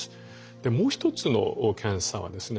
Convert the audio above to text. でもう一つの検査はですね